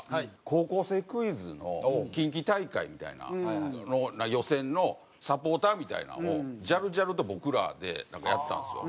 『高校生クイズ』の近畿大会みたいなの予選のサポーターみたいなのをジャルジャルと僕らでやったんですよ。